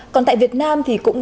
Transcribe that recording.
còn tại việt nam thì cũng đã